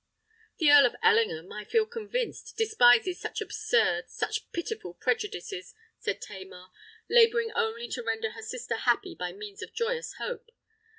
"The Earl of Ellingham, I feel convinced, despises such absurd—such pitiful prejudices," said Tamar, labouring only to render her sister happy by means of joyous hope.